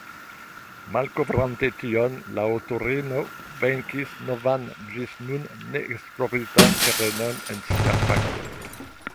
Malkovrante tion, la aŭtorino venkis novan ĝis nun ne esploritan terenon en sia fako.